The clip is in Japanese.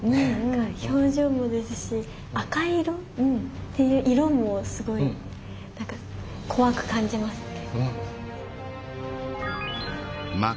表情もですし赤い色っていう色もすごいなんか怖く感じますね。